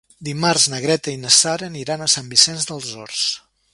Dimarts na Greta i na Sara aniran a Sant Vicenç dels Horts.